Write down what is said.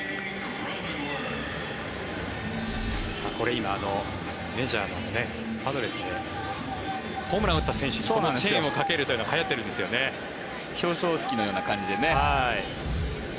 これ今メジャーのパドレスでホームランを打った選手にチェーンをかけるというのが表彰式のような感じでね。